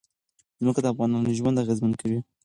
ځمکه د افغانانو ژوند اغېزمن کوي.